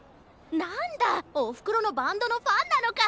なんだおふくろのバンドのファンなのか。